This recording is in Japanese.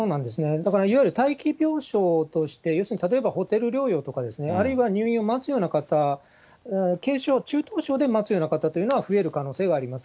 だからいわゆる待機病床として、要するに例えばホテル療養とか、あるいは入院を待つような方、軽症・中等症で待つような方というのは増える可能性はあります。